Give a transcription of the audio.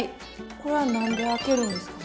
これは何で開けるんですか？